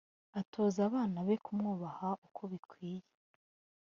atoza abana be kumwubaha uko bikwiriye